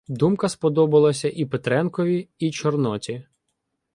Думка сподобалася і Петренкові, і Чорноті.